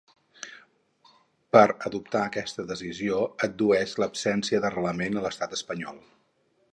Per adoptar aquesta decisió addueixen l’absència d’arrelament a l’estat espanyol.